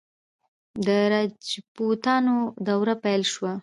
د راجپوتانو دوره پیل شوه.